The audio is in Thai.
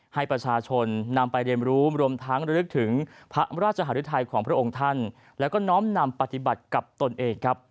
ให้ประชาชนนำไปเรียนรู้รวมทั้งระลึกถึงพระราชหารุทัยของพระองค์ท่านแล้วก็น้อมนำปฏิบัติกับตนเองครับ